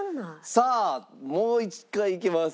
さあもう一回いけます。